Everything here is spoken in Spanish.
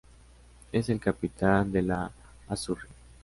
Es el capitán de la Azzurri.